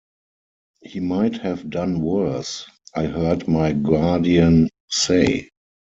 "He might have done worse," I heard my guardian say.